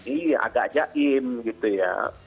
iya agak ajaim gitu ya